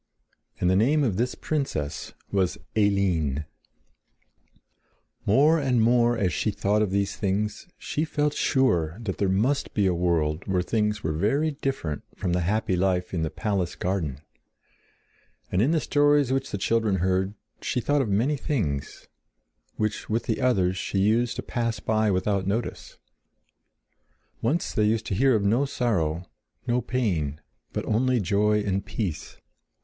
And the name of this princess was Eline. More and more as she thought of these things she felt sure that there must be a world where things were very different from the happy life in the palace garden; and in the stories which the children heard she thought of many things, which, with the others, she used to pass by without notice. Once they used to hear of no sorrow, no pain, but only joy and peace.